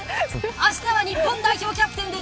あしたは日本代表キャプテンで